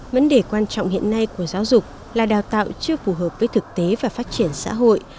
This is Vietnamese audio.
vấn đề quan trọng hiện nay của giáo dục là đào tạo chưa phù hợp với thực tế và phát triển xã hội